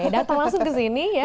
datang langsung ke sini ya